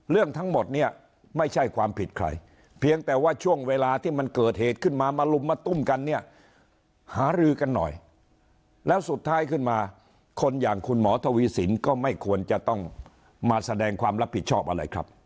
เรื่องทั้งหมดเนี่ยไม่ใช่ความผิดใครเพียงแต่ว่าช่วงเวลาที่มันเกิดเหตุขึ้นมามาลุมมาตุ้มกันเนี่ยหารือกันหน่อยแล้วสุดท้ายขึ้นมาคนอย่างคุณหมอทวีสินก็ไม่ควรจะต้องมาแสดงความรับผิดชอบอะไรครับ